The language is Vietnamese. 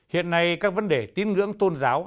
hiện nay các vấn đề tín ngưỡng tôn giáo